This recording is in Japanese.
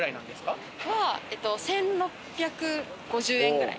１６５０円くらい。